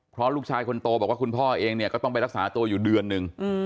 เพราะลูกชายคนโตบอกว่าคุณพ่อเองเนี่ยก็ต้องไปรักษาตัวอยู่เดือนหนึ่ง